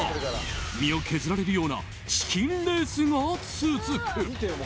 身を削られるようなチキンレースが続く。